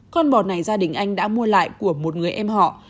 con bò này gia đình anh đã mua lại của một người em họ